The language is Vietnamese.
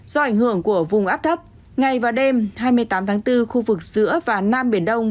do ảnh hưởng của vùng áp thấp ngày và đêm hai mươi tám tháng bốn khu vực giữa và nam biển đông